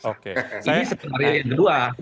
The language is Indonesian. ini sekenarai yang kedua